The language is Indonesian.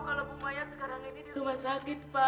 kalau bu mayat sekarang ini di rumah sakit pak